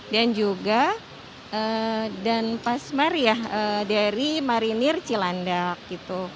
dan juga dan pasmar ya dari marinir cilandak gitu